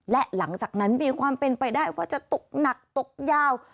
และหลังจากนั้นมีความเป็นไปได้ว่าจะตกหนักตกยาว